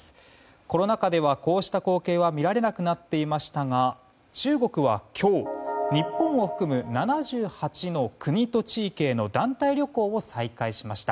コロナ禍ではこうした光景は見られなくなっていましたが中国は今日日本を含む７８の国と地域への団体旅行を再開しました。